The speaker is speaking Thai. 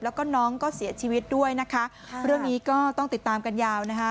แล้วก็น้องก็เสียชีวิตด้วยนะคะเรื่องนี้ก็ต้องติดตามกันยาวนะคะ